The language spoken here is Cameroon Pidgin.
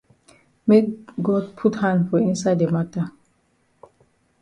Make God put hand for inside the mata.